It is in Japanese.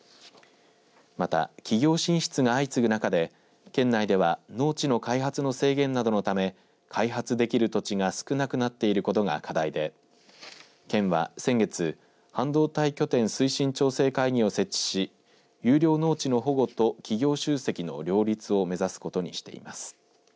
また、企業進出が相次ぐ中で県内では農地の開発の制限などのため開発できる土地が少なくなっていることが課題で県は先月半導体拠点推進調整会議を設置し優良農地の保護と企業集積の両立を目指すことにしています。